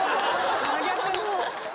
真逆の。